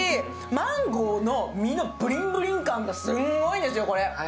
マンゴーの実のブリンブリン感がすごいんですよ。